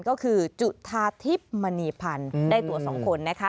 ก็คือจุธาทิพย์มณีพันธ์ได้ตัวสองคนนะคะ